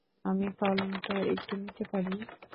আমি কলমটা একটু নিতে পারি?